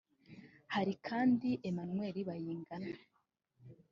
Hari kandi Emmanuel Bayingana